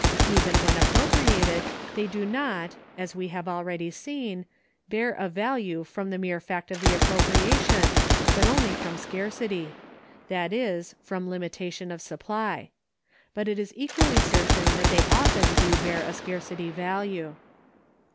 Even when appropriated, they do not (as we have already seen) bear a value from the mere fact of the appropriation, but only from scarcity—that is, from limitation of supply. But it is equally certain that they often do bear a scarcity value.